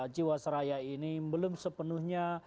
jiwasraya ini belum sepenuhnya